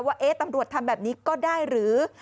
ว่าตำรวจทำแบบนี้ก็ได้หรือ